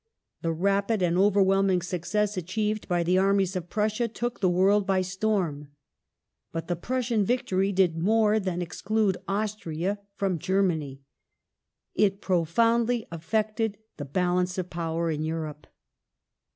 The rapid and overwhelming success achieved by the armies of Prussia took the world by storm. But the Prussian victory did more than ex clude Austria from Germany, it profoundly affected the balance of power in Europe.